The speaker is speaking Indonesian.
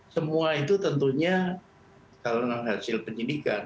semua itu tentunya kalau dengan hasil penyidikan